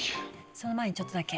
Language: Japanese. その前にちょっとだけ。